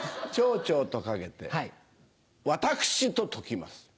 蝶々と掛けて私と解きます。